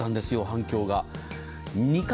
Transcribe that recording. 反響が。